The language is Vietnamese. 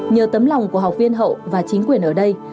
nhờ tấm lòng của học viên hậu và chính quyền ở đây